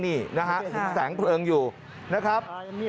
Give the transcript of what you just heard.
เห็นแสงเพลิงอยู่นะครับ